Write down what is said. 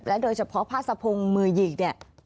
โดยเฉพาะผ้าสะพงมือหยีกเนี่ย